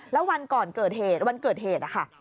แล้ววันเกิดเหตุวันเกิดเหตุค่ะ